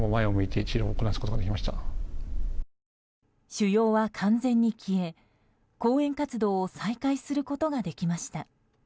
腫瘍は完全に消え、講演活動を再開することができました。